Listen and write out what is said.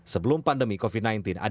sebelum pandemi covid sembilan belas